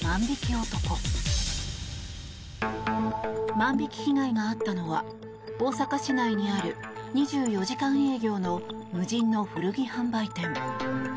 万引き被害があったのは大阪市内にある２４時間営業の無人の古着販売店。